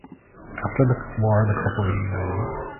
After the war the couple reunited.